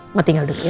oma tinggal dulu ya